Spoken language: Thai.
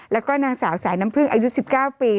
แล้วก็นางสาวสายน้ำพึ่งอายุ๑๙ปี